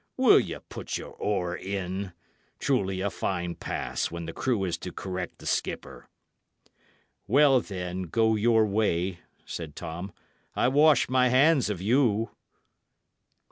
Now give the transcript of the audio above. "Will ye put your oar in? Truly a fine pass, when the crew is to correct the skipper!" "Well, then, go your way," said Tom; "I wash my hands of you."